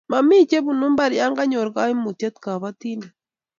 mami chebunu mbar ya kanyor kaimutiet kabatindet